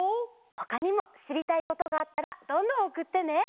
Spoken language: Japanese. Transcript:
ほかにもしりたいことがあったらどんどんおくってね！